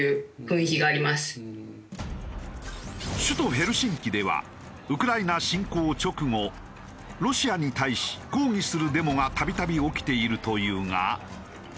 首都ヘルシンキではウクライナ侵攻直後ロシアに対し抗議するデモがたびたび起きているというが。